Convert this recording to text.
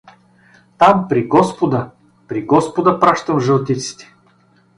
— Там, при господа, при господа пращам жълтиците!